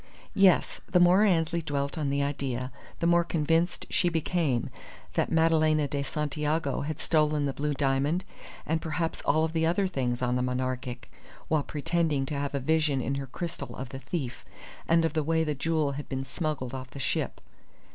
Yes, the more Annesley dwelt on the idea the more convinced she became that Madalena de Santiago had stolen the blue diamond, and perhaps all the other things on the Monarchic, while pretending to have a vision in her crystal of the thief, and of the way the jewel had been smuggled off the ship.